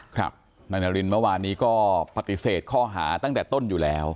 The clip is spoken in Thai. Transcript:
ครับนายนารินเมื่อวานนี้ก็ปฏิเสธข้อหาตั้งแต่ต้นอยู่แล้ว